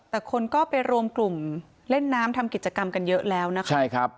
แต่คนก็ไปรวมกลุ่มเล่นน้ำทำกิจกรรมกันเยอะแล้วนะคะใช่ครับ